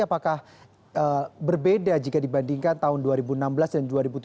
apakah berbeda jika dibandingkan tahun dua ribu enam belas dan dua ribu tujuh belas